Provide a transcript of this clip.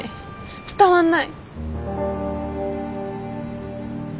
伝わんない。